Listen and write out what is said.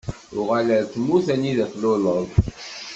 Uɣal ɣer tmurt anida i tluleḍ.